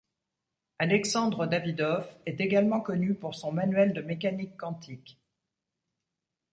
Alexandre Davydov est également connu pour son manuel de mécanique quantique.